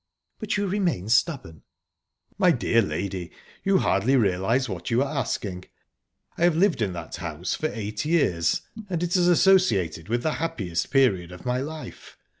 "But you remain stubborn?" "My dear lady, you hardly realise what you are asking. I have lived in that house for eight years, and it is associated with the happiest period of my life.